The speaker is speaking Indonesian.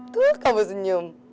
tuh kamu senyum